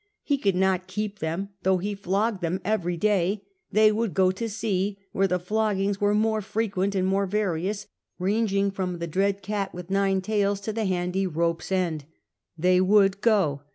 He could not keep them, though he flogged them every day ; they would go to sea, where the floggings were more frequent and more various, ranging fixuii the driiad cat with nine tails to the handy rope's end. They would go.